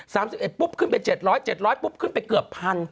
สิบเอ็ดปุ๊บขึ้นไปเจ็ดร้อยเจ็ดร้อยปุ๊บขึ้นไปเกือบพัน